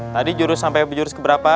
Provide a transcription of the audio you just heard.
tadi jurus sampai jurus keberapa